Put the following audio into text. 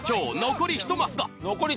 残り１マスだ。